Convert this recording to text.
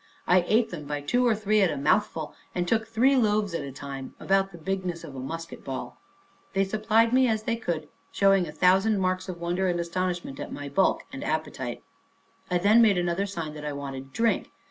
I ate them by two or three at a mouthful, and took three loaves at a time, about the bigness of musket bullets. They supplied me as they could, showing a thousand marks of wonder and astonishment at my bulk and appetite, I then made another sign that I wanted drink.